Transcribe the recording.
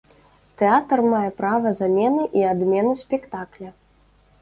Тэатр мае права замены і адмены спектакля!